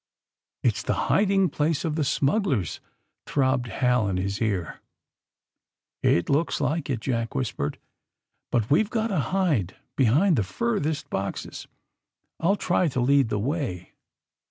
'^It's the hiding place of the smugglers!" throbbed Hal in his ear. ^^It looks like it," Jack whispered. ^^But we've got to hide behind the furthest boxes. I'll try to lead the way.